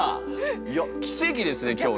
いや奇跡ですね今日ね。